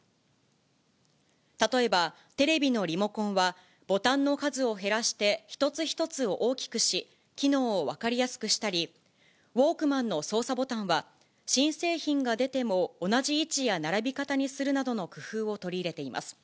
例えばテレビのリモコンは、ボタンの数を減らして一つ一つを大きくし、機能を分かりやすくしたり、ウォークマンの操作ボタンは新製品が出ても、同じ位置や並び方にするなどの工夫を取り入れています。